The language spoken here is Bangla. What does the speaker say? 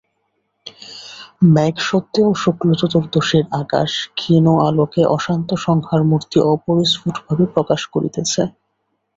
মেঘসত্ত্বেও শুক্লচতুর্দশীর আকাশ ক্ষীণ আলোকে অশান্ত সংহারমূর্তি অপরিস্ফুটভাবে প্রকাশ করিতেছে।